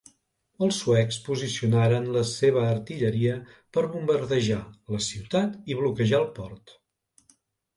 Els suecs posicionaren la seva artilleria per bombardejar la ciutat i bloquejar el port.